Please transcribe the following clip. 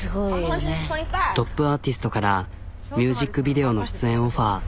トップアーティストからミュージックビデオの出演オファー。